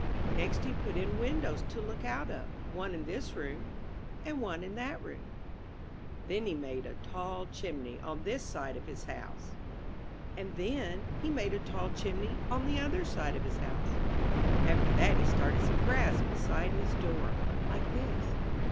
Next he put in windows to look out of — one in this room — and one in that room. Then he made a tall of his house. \|y chimney on this side And then the other side o chimney on he made ; his house. After that he started some grass beside his door, like this.